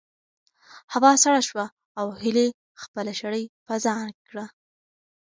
هوا سړه شوه او هیلې خپله شړۍ په ځان کړه.